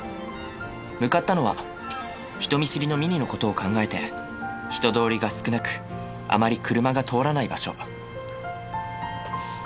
向かったのは人見知りのミニのことを考えて人通りが少なくあまり車が通らない場所。